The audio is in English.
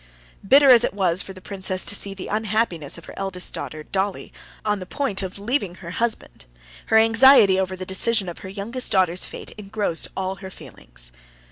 Bitter as it was for the princess to see the unhappiness of her eldest daughter, Dolly, on the point of leaving her husband, her anxiety over the decision of her youngest daughter's fate engrossed all her feelings.